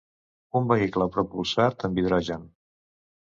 Un vehicle propulsat amb hidrogen.